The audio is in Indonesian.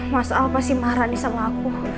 masa apa si maharani sama aku